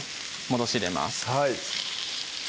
戻し入れます